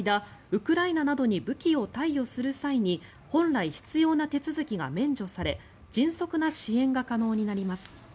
ウクライナなどに武器を貸与する際に本来必要な手続きが免除され迅速な支援が可能になります。